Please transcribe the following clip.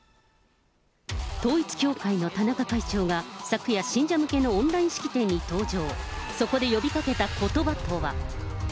統一教会の田中会長が昨夜、信者向けのオンライン式典に登場。